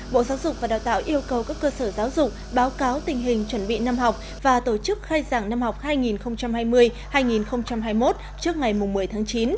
bộ giáo dục và đào tạo yêu cầu các cơ sở giáo dục báo cáo tình hình chuẩn bị năm học và tổ chức khai giảng năm học hai nghìn hai mươi hai nghìn hai mươi một trước ngày một mươi tháng chín